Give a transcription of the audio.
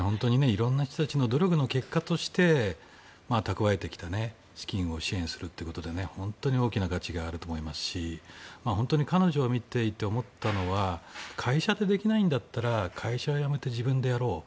色んな人たちの努力の結果として蓄えてきた資金を支援するということで本当に大きな価値があると思いますし彼女を見ていて思ったのは会社でできないんだったら会社を辞めて自分でやろう。